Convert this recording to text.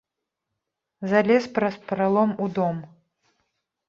Залез праз пралом у дом.